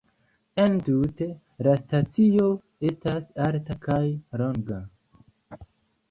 Entute, la stacio estas alta kaj longa.